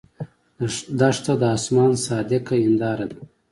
دښته د آسمان صادقه هنداره ده.